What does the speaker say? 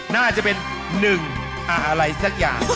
น่าจะเป็นหนึ่งอะไรสักอย่าง